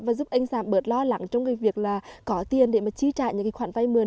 và giúp anh giảm bớt lo lắng trong việc là có tiền để mà trí trại những khoản vai mườn